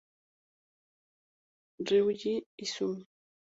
Ryuji Izumi